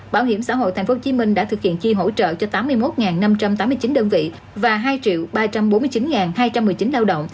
bảo hiểm xã hội tp hcm đã thực hiện chi hỗ trợ cho tám mươi một năm trăm tám mươi chín đơn vị và hai ba trăm bốn mươi chín hai trăm một mươi chín lao động